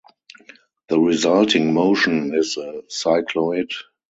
The resulting motion is a cycloid.